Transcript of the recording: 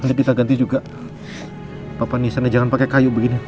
ayo kita ganti juga bapak nisanya jangan pakai kayu begini